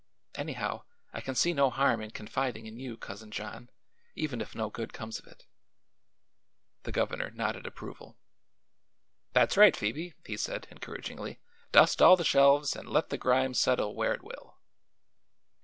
Anyhow, I can see no harm in confiding in you, Cousin John, even if no good comes of it." The governor nodded approval. "That's right, Phoebe," he said encouragingly. "Dust all the shelves and let the grime settle where it will."